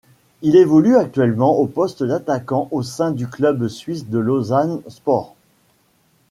Il évolue actuellement au poste d'attaquant au sein du club suisse de Lausanne Sport.